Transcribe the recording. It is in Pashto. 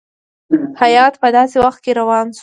هیات په داسي وخت کې روان شو.